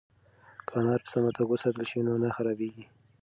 که انار په سمه توګه وساتل شي نو نه خرابیږي.